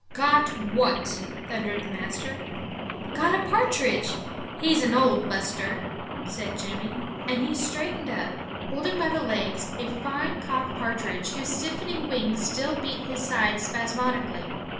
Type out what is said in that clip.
"Got what?" thundered the master. "Got a pa'tridge; he's an old buster," said Jimmy. And he straightened up, holding by the legs a fine cock partridge whose stiffening wings still beat his sides spasmodically.